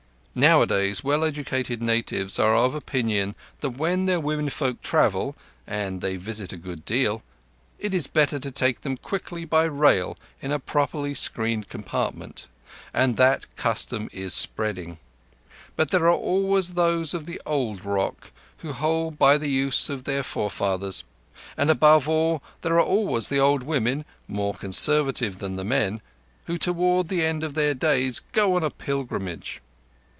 Nowadays, well educated natives are of opinion that when their womenfolk travel—and they visit a good deal—it is better to take them quickly by rail in a properly screened compartment; and that custom is spreading. But there are always those of the old rock who hold by the use of their forefathers; and, above all, there are always the old women—more conservative than the men—who toward the end of their days go on a pilgrimage.